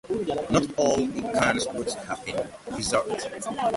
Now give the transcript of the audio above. Not all of Kahn's works have been preserved.